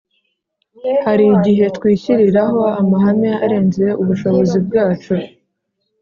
hari igihe twishyiriraho amahame arenze ubushobozi bwacu